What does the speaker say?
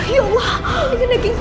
ya allah ini kena gigi celeng